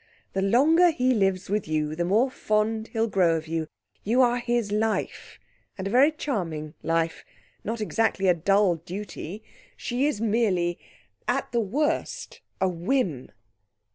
The longer he lives with you the more fond he'll grow of you. You are his life and a very charming life not exactly a dull duty. She is merely at the worst a whim."